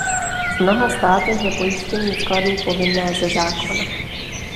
V mnoha státech je pojištění vkladů povinné ze zákona.